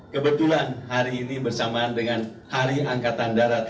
kebetulan hari ini bersamaan dengan hari angkatan darat